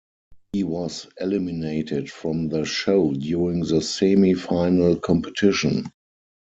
He was eliminated from the show during the semi-final competition.